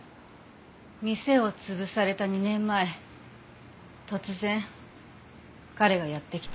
店を潰された２年前突然彼がやって来て。